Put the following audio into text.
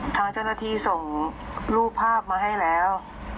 ทางเจ้าหน้าที่ส่งรูปภาพมาให้แล้ว